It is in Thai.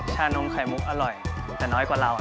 ชานมไข่มุกอร่อยแต่น้อยกว่าเรา